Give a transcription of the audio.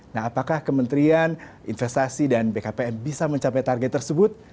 nah apakah kementerian investasi dan bkpm bisa mencapai target tersebut